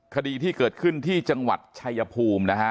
คดีที่เกิดขึ้นที่จังหวัดชายภูมินะฮะ